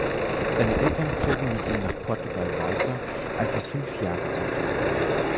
Seine Eltern zogen mit ihm nach Portugal weiter, als er fünf Jahre alt war.